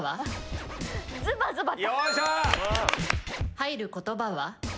入る言葉は？